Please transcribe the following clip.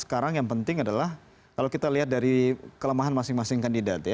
sekarang yang penting adalah kalau kita lihat dari kelemahan masing masing kandidat ya